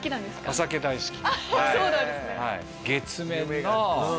お酒大好き。